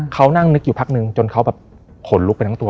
เขานั่งนึกอยู่พักนึงจนเขาแบบขนลุกไปทั้งตัว